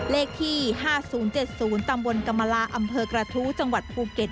เลขที่๕๐๗๐ตำบลกรรมลาอำเภอกระทู้จังหวัดภูเก็ต